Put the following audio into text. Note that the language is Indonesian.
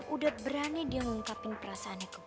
udah berani dia mengungkapin perasaannya ke gue